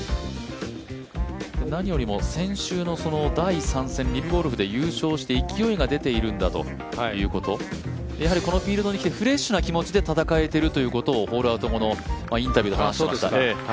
何よりも先週の第３戦リブゴルフで優勝して勢いが出ているんだということ、やはりこのフィールドにきてフレッシュな気持ちでプレーできているんだとホールアウト後のインタビューで話しました。